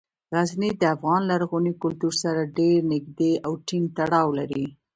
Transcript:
غزني د افغان لرغوني کلتور سره ډیر نږدې او ټینګ تړاو لري.